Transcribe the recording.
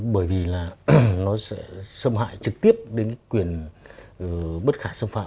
bởi vì là nó sẽ xâm hại trực tiếp đến quyền bất khả xâm phạm